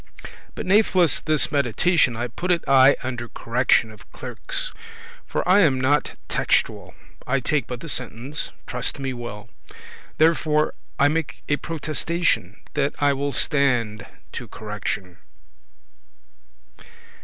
*opinion But natheless this meditation I put it aye under correction Of clerkes,* for I am not textuel; *scholars I take but the sentence,* trust me well. *meaning, sense Therefore I make a protestation, That I will stande to correction."